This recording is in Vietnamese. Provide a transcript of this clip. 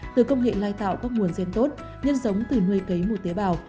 từ công nghệ lai tạo các nguồn gen tốt nhân giống từ nuôi cấy một tế bào